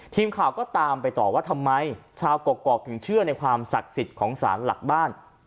ทีมข่าวก็ตามไปต่อว่าทำไมชาวกกอกถึงเชื่อในความศักดิ์สิทธิ์ของสารหลักบ้าน